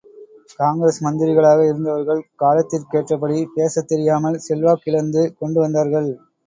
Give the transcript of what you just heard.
காங்கிரஸ் மந்திரிகளாக இருந்தவர்கள் காலத்திற்கேற்றபடி பேசத் தெரியாமல் செல்வாக்கிழந்து கொண்டு வந்தார்கள்.